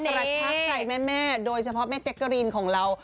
กระชากใจแม่โดยเฉพาะแม่แจ๊กกะรีนของเรา